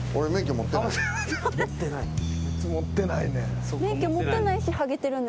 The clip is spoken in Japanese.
持ってないねん。